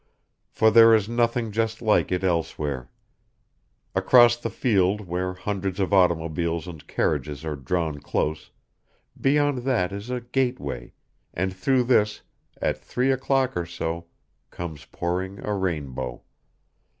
For there is nothing just like it elsewhere. Across the field where hundreds of automobiles and carriages are drawn close beyond that is a gate way, and through this, at three o'clock or so, comes pouring a rainbow.